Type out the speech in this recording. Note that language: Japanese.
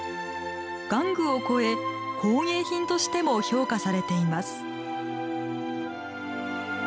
玩具を越え、工芸品としても評価されています。